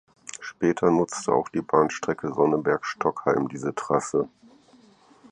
Später nutzte auch die Bahnstrecke Sonneberg–Stockheim diese Trasse.